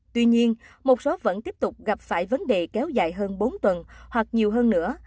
tuy nhiên một số vẫn tiếp tục gặp phải vấn đề kéo dài hơn bốn tuần hoặc nhiều hơn nữa